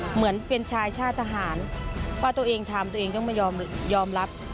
เหมือนเป็นชายชาติทหารว่าตัวเองทำตัวเองก็ไม่ยอมยอมรับ